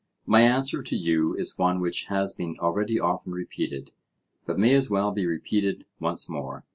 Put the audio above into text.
My answer to you is one which has been already often repeated, but may as well be repeated once more.